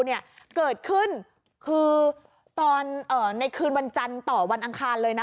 เนี่ยเกิดขึ้นคือตอนในคืนวันจันทร์ต่อวันอังคารเลยนะ